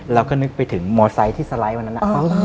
เราก็นึกไปถึงมอไซค์ที่สไลด์วันนั้น